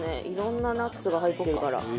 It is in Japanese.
いろんなナッツが入ってるから。